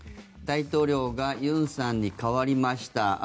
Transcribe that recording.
大統領が尹さんに代わりました。